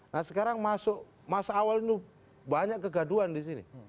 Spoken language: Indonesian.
nah sekarang masa awal ini banyak kegaduan di sini